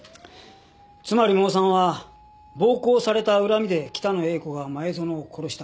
つまりモーさんは暴行された恨みで北野英子が前園を殺した。